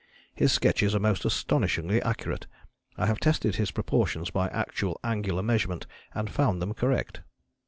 His sketches are most astonishingly accurate; I have tested his proportions by actual angular measurement and found them correct."